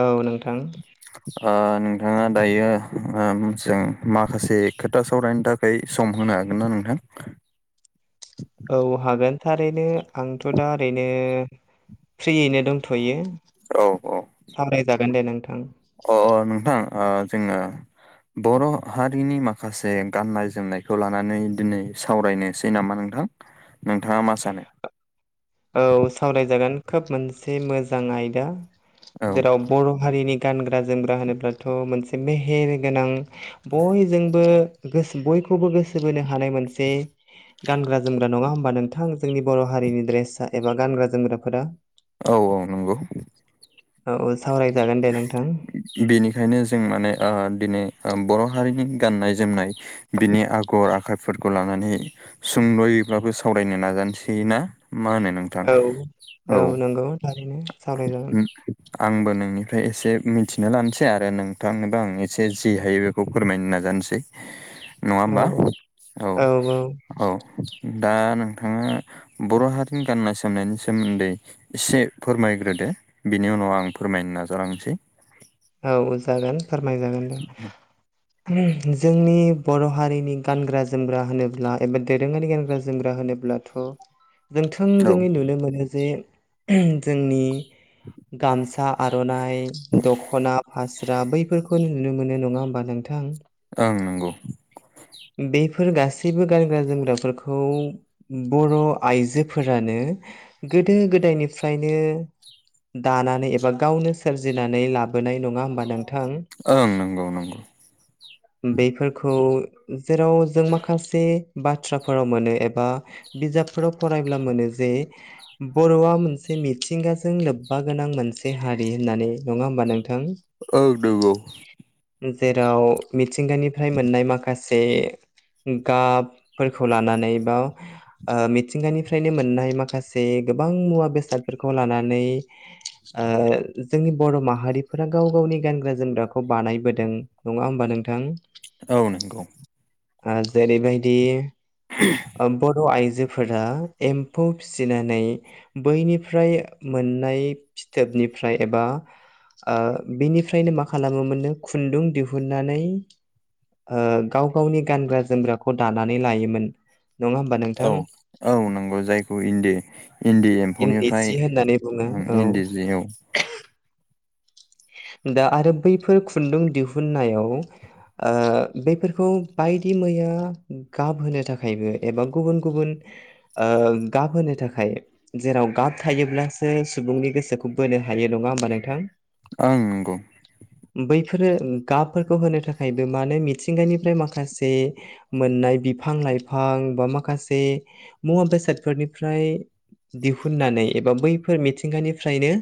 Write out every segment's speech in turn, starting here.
औ नोंथां। ओ नोंथाङा दायो ओ जों माखासे खोथा सावरायनो थाखाय दायो सम होनो हागोन ना नोंथां? औ हागोन थारैनो आंथ' दा ओरैनो फ्रियैनो दंथ'यो औ सावरायजागोन दे नोंथां अ अ नोंथां आ जोङो बर' हारिनि माखासे गाननाय जोमनायखौ लानानै दिनै सावरायनो सै नामा नोंथां नोंथाङा मा सानो औ सावरायजागोन खोब मोनसे मोजां आयदा औ जेराव बर' हारिनि गानग्रा जोमग्रा होनोब्लाथ' मोनसे मेहेरगोनां बयजोंबो बयखौबो गोसो बोनो हानाय मोनसे गानग्रा जोमग्रा नङा होमबा नोंथां जोंनि बर' हारिनि ड्रेसा एबा गानग्रा जोमग्राफोरा औ औ नंगौ औ औ सावरायजागोन दे नोंथां बेनिखायनो जों माने आ दिनै बर' हारिनि गाननाय जोमनाय बिनि आगर आखाइफोरखौ लानानै सुंद'यैबाबो सावरायनो नाजानोसै ना मा होनो नोंथां औ औ नंगौ थारैनो सावरायजागोन आंबो नोंनि ओमफ्राय एसे मिथिना लानोसै आरो नोंथांनोबो आं एसे जि हायो बेखौ फोरमायनो नाजानोसै नङा औ होमबा औ औ दा नोंथाङा बर' हारिनि गाननाय जोमनायनि सोमोन्दै एसे फोरमायग्रोदो बिनि उनाव आं फोरमायनो नाजालांनोसै औ जागोन फोरमाय जागोन दे जोंनि बर' हारिनि गानग्रा जोमग्रा होनोब्ला एबा दोरोङारि गानग्रा जोमग्रा होनोब्लाथ' जों औ थोंजोङै नुनो मोनो जे जोंनि गामसा आर'नाइ द खना फास्रा बैफोरखौ नुनो मोनो नङा होमबा नोंथां ओं नंगौ बेफोर गासैबो गानग्रा जोमग्राफोरखौ बर' आइजोफोरानो गोदो गोदायनिफ्रायनो दानानै एबा गावनो सोरजिनानै लाबोनाय नङा होमबा नोंथां ओं नंगौ नंगौ बेफोरखौ जेराव जों माखासे बाथ्राफोराव मोनो एबा बिजाबफोराव फरायब्ला मोनो जे बर'आ मोनसे मिथिंगाजों लोब्बा गोनां मोनसे हारि होननानै नङा होमबा नोंथां औ नंगौ जेराव मिथिंगानिफ्राय मोननाय माखासे गाबफोरखौ लानानै बा ओ मिथिंगानिफ्रायनो मोननाय माखासे गोबां मुवा बेसादफोरखौ लानानै [inaudible] जोंनि बर' माहारिफोरा गाव गावनि गानग्रा जोमग्राखौ बानायबोदों नङा होमबा नोंथां औ नंगौ आ जेरै बायदि [unintelligible] बर' आइजोफोरा एम्फौ फिसिनानै बैनिफ्राय मोननाय फिथोबनिफ्राय एबा बिनिफ्रायनो मा खालामोमोननो खुन्दुं दिहुननानै ओ गाव गावनि गानग्रा जोमग्राखौ दानानै लायोमोन नङा होमबा औ नोंथां औ नंगौ जायखौ इन्दि इन्दि इन्दि एम्फौनिफ्राय सि होननानै बुङो उम औ इन्दि दा आरो बैफोर खुन्दुं दिहुननायाव आ बेफोरखौ बायदि मैया गाबहोनो थाखायबो एबा गुबुन गुबुन गाबहोनो थाखाय जेराव गाब थायोब्लासो सुबुंनि गोसोखौ बोनो हायो नङा होमबा नोंथां? ओं नंगौ। बैफोरो गाबफोरखौ होनो थाखायबो मानो मिथिंगानिफ्राय माखासे। मोननाय बिफां लाइफां बा माखासे मुवा बेसादफोरनिफ्राय दिहुननानै एबा बैफोर मिथिंगानिफ्रायनो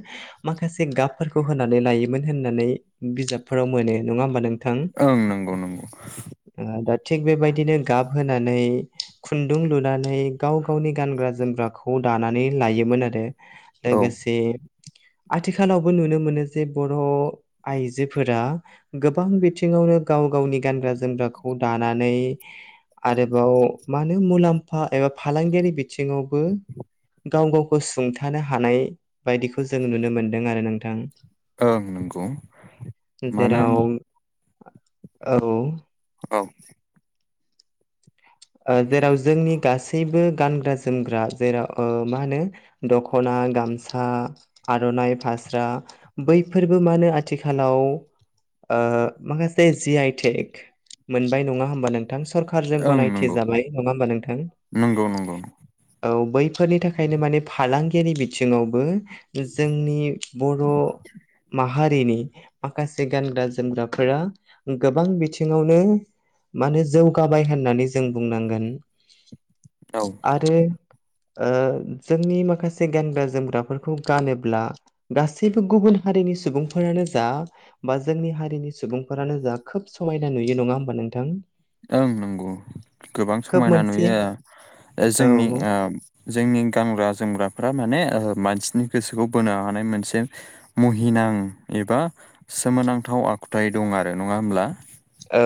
माखासे गाबफोरखौ होनानै लायोमोन होननानै बिजाबफोराव मोनो नङा होमबा नोंथां। ओं नंगौ नंगौ‌। दा थिग बेबायदिनो गाब होनानै। खुन्दुं लुनानै गाव गावनि गानग्रा जोमग्राखौ दानानै लायोमोन आरो। औ लोगोसे आथिखालावबो नुनो मोनो। से बर' आइजोफोरा गोबां बिथिङावनो गाव गावनि गानग्रा जोमग्राखौ दानानै आरोबाव मा होनो मुलाम्फा एबा फालांगियारि बिथिङावबो गाव गावखौ सुंथानो हानाय बायदिखौ जों नुनो मोनदों आरो नोंथां। ओं नंगौ। मानो जेराव औ। औ। जेराव जोंनि गासैबो गानग्रा जोमग्रा जेराव ओ मा होनो। दख'ना गामसा आर'नाइ फास्रा बैफोरबो मानो आथिखालाव ओ माखासे जि आइ टेक मोनबाय नङा होमबा नोंथां सरखारारजों ओं गनाय मिथि नंगौ जाबाय नङा होमबा नोंथां। नंगौ नंगौ औ बैफोरनि थाखायनो माने फालांगियारि बिथिङावबो जोंनि बर' माहारिनि माखासे गानग्रा जोमग्राफोरा। गोबां बिथिङावनो माने जौगाबाय होननानै जों बुंनांगोन औ आरो जोंनि माखासे गानग्रा जोमग्राफोरखौ गानोब्ला। गासैबो गुबुन हारिनि सुबुंफोरानो जा बा जोंनि हारिनि सुबुंफोरानो जा खोब समायना नुयो नङा होमबा नोंथां। ओं नंगौ गोबां खोब समायना मोनसे नुयो ओ जोंनि औ ओ जोंनि गानग्रा जोमग्राफोरा माने मानसिनि गोसोखौ बोनो हानाय मोनसे मुहिनां एबा सोमोनांथाव आखुथाय दं आरो नङा होमब्ला औ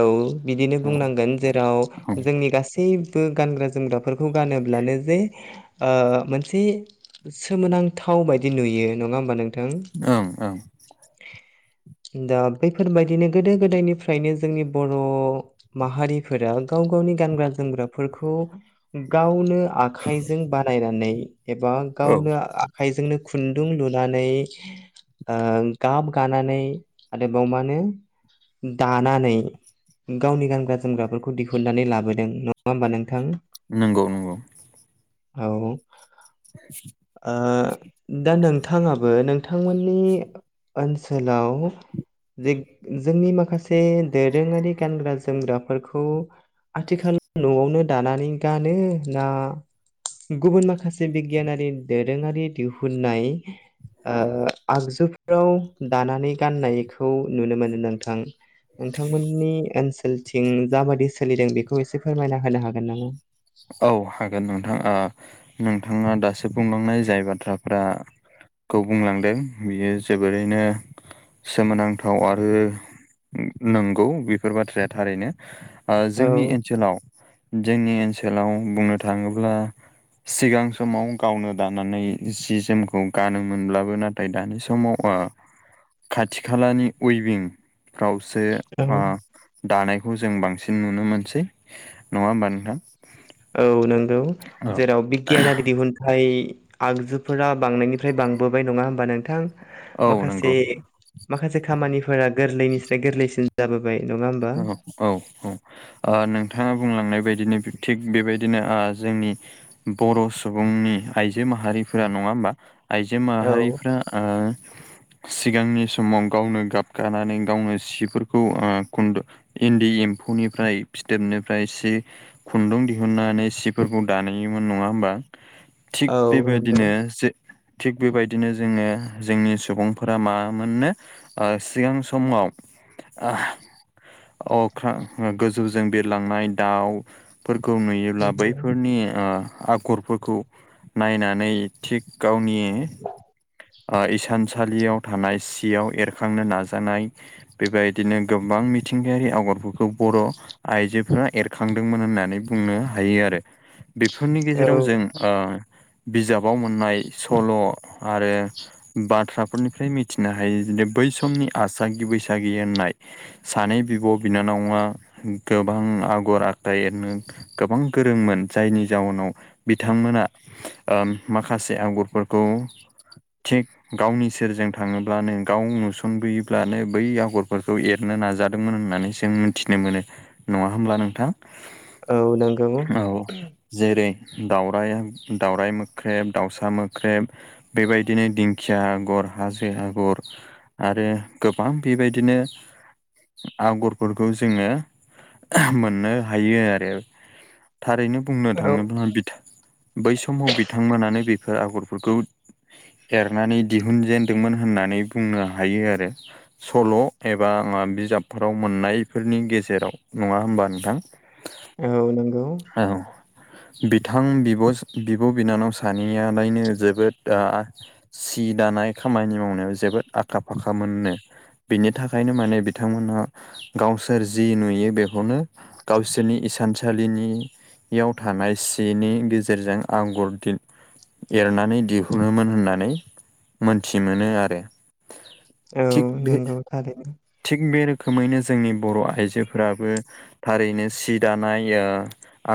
बिदिनो औ बुंनांगोन जेराव ओं जोंनि गासै बो गानग्रा जोमग्राफोरखौ गानोब्लानो जे मोनसे। सोमोनांथाव बायदि नुयो नङा होमबा नोंथां। ओं ओं दा बैफोरबायदिनो गोदो गोदायनिफ्रायनो जोंनि बर' माहारिफोरा गाव गावनि गानग्रा जोमग्राफोरखौ गावनो आ आखाइजों बानायनानै एबा औ गावनो आखाइजोंनो खुनदुं लुनानै ओ गाब गानानै आरो बेयाव मानो दानानै। गावनि गानग्रा जोमग्राफोरखौ दिहुननानै लाबोदों नङा होमबा नोंथां। नंगौ नंगौ। औ। [inaudible] ओ दा नोंथाङाबो नोंथांमोननि ओनसोलाव जे जोंनि माखासे दोरोङारि गानग्रा जोमग्राफोरखौ आथिखाल न'आवनो दानानै गानो ना गुबुन माखासे बिगियानारि दोरोङारि दिहुननाय आगजुफोराव दानानै गाननायखौ नुनो मोनो नोंथां नोंथांमोननि ओनसोलथिं जाबादि सोलिदों बेखौ एसे फोरमायना होनो हागोन नामा औ हागोन नोंथां नोंथाङा दासो बुंलांनाय जाय बाथ्राफ्रा खौ बुंलांदों बियो जोबोरैनो सोमोनांथाव आरो नंगौ बेफोर बाथ्राया थारैनो जोंनि औ ओनसोलाव जोंनि ओनसोलाव बुंनो थाङोब्ला सिगां समाव गावनो दानानै जि जोमखौ गानोमोनब्लाबो ना नाथाय दानि समाव आ खाथि खालानि उइभिं रावसे औ मा दानायखौ जों बांसिन नुनो मोनसै नङा होमबा नोंथां औ नंगौ जेराव बिगियान आरि दिहुन माय आगजुफोरा बांनायनिफ्राय बांबोबाय नङा होमबा नोंथां औ नंगौ माखासे माखासे खामानिफोरा गोरलैनि गोरलैसिन जाबोबाय नङा होमबा औ औ औ नोंथाङा बुंलांनाय बायदिनो थिग बेबायदिनो जोंनि बर' सुबुंनि आइजो माहारिफोरा नङा होमबा आइजो औ माहारिफ्रा सिगांनि समाव गावनो गाब गानानै गावनो सिफोरखौ खुन्दु इन्दि एम्फौनिफ्राय फिथोबनिफ्राय एसे खुन्दुं दिहुननानै सिफोरखौ दानायोमोन नङा होमबा थिग औ नंगौ बेबायदिनो जे थिग बेबायदिनो जोङो जोंनि सुबुंफोरा मा मोननो ओ सिगां समाव अ गोजौजों बिरलांनाय दाउ फोरखौ नुयोब्ला बैफोरनि आगर फोरखौ नायनानै थिग गावनि इसानसालियाव थानाय सियाव एरखांनो नाजानाय बेबायदिनो गोबां मिथिंगायारि आगरफोरखौ बर' आइजोफोरा एरखांदोंमोन होननानै बुंनो हायो आरो बेफोरनि औ गेजेराव जों ओम बिजाबाव मोननाय सल' आरो बाथ्राफोरनिफ्राय मिथिनो हायोदि बै समनि आसागि बैसागि होननाय सानै बिब' बिनानावा गोबां आगर आखाइ एरनो गोबां गोरोंमोन जायनि जाउनाव बिथांमोना उम माखासे आगरफोरखौ थिग गावनि सेरजों थाङोब्लानो गाव नुसनबोयोब्लानो बै आगरफोरखौ एर नाजादोंमोन होननानै जों मिथिनो मोनो नङा होमब्ला नोंथां औ नंगौ औ जेरै दावराय दाउराय मोख्रेब दाउसा मोख्रेब बेबायदिनो दिंखिया आगर हाजो आगर आरो गोबां बेबायदिनो आगरफोरखौ जोङो मोननो हायो आरो थारैनो बुंनो औ थाङोब्ला बै समाव बिथांमोनानो बेफोर आगरफोरखौ एरनानै दिहुनजेनदोंमोन होननानै बुंनो हायो आरो सल' एबा आंहा बिजाबफोराव मोननायफोरनि गेजेराव नङा होमबा नोंथां औ नंगौ औ बिथां बिब' बिनानाव सानैयालायनो जोबोद सि दानाय खामानि मावनायाव जोबोद आखा फाखा मोनो बिनि थाखायनो माने बिथांमोनहा गावसोर जि नुयो बेखौनो गावसोरनि इसानसालिनि याव थानाय सिनि गेजेरजों आगर दिन एरनानै दिहुनोमोन होननानै मोनथि मोनो आ औ नंगौ थारै थिग बे रोखोमैनो जोंनि बर' आइजोफोराबो थारैनो सि दानाया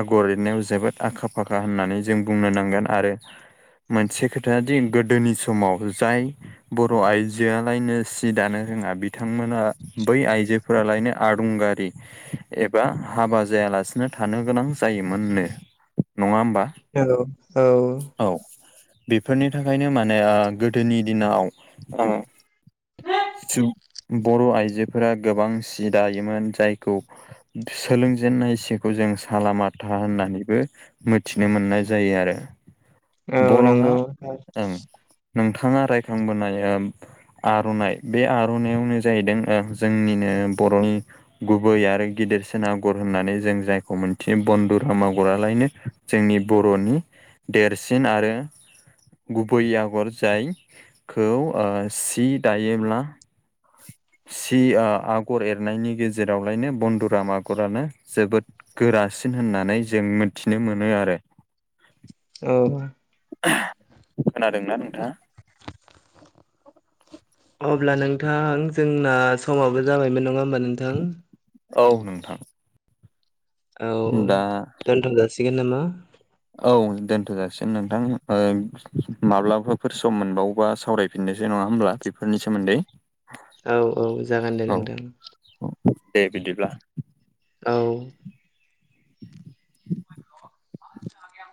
आगर लिरनायाव जोबोद आखा फाखा होननानै जों बुंनो नांगोन आरो मोनसे खोथा दि गोदोनि समाव जाय बर' आइजोआलायनो सि दानो रोङा बिथांमोना बै आइजोफोरा लायनो आदुंगारि एबा हाबा जायालासिनो थानो गोनां जायोमोननो नङा होमबा औ औ औ बेफोरनि थाखायनो माने आ गोदोनि दिनाव औ सु बर' आइजोफोरा गोबां सि दायोमोन जायखौ सोलों जेनन्नाय सेखौ जों सालामाथा होननानैबो मिथिनो मोननाय जायो आरो औ बर'हा नंगौ ओं नोंथाङा रायखांबोनाय आर'नाइ बे आर'नाइयावनो जाहैदों ओ जोंनिनो बर'नि गुबै आरो गिदिरसिन आगर होननानै जों जायखौ मोनथि बन्दुराम आगरालायनो जोंनि बर'नि देरसिन आरो गुबै आगर जायखौ ओ सि दायोब्ला सि आगर एरनायनि गेजेरावलायनो बन्दुराम आगरानो जोबोद गोरासिन होननानै जों मिथिनो मोनो आरो औ खोनादोंना नोंथाङा अब्ला नोंथां जोंना समाबो जाबायमोन नङा होमबा नोंथां औ नोंथां औ दा दोनथ' जासिगोन नामा औ दोनथ'जासिनो नोंथां ओ माब्लाबाफोर सम मोनबावोबा सावरायफिननोसै नङा होमब्ला बेफोरनि सोमोन्दै औ औ जागोन दे औ नोंथां औ दे बिदिब्ला औ